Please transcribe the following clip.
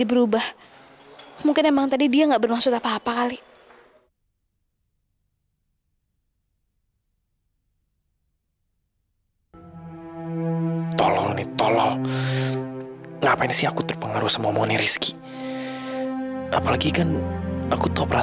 sampai jumpa di video selanjutnya